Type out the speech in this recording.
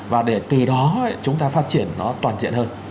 và để từ đó chúng ta phát triển nó toàn diện hơn